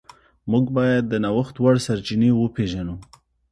موږ باید د نوښت وړ سرچینې وپیژنو.